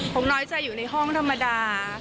ผมน้อยใจอยู่ในห้องธรรมดา